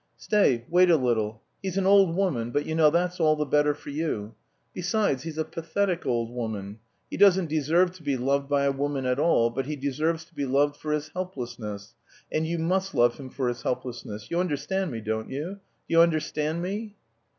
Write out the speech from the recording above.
"Stay, wait a little. He's an old woman, but you know, that's all the better for you. Besides, he's a pathetic old woman. He doesn't deserve to be loved by a woman at all, but he deserves to be loved for his helplessness, and you must love him for his helplessness. You understand me, don't you? Do you understand me?"